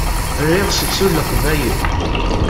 Riɣ seksu n Leqbayel.